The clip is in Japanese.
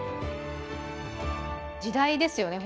時代ですよね